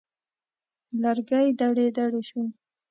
لرګی دړې دړې شو.